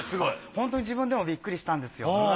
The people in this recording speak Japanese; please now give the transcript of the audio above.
ホントに自分でもビックリしたんですよ。